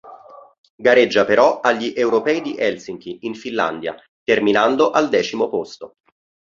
Gareggia però agli Europei di Helsinki in Finlandia, terminando al decimo posto.